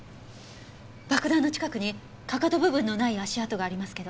爆弾の近くにかかと部分のない足跡がありますけど。